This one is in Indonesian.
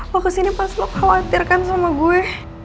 lu kesini pas lu khawatir kan sama gue